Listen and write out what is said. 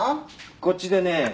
こっちでね